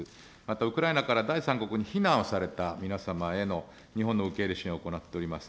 またウクライナから第三国の避難をされた皆様への日本の受け入れ支援を行っております。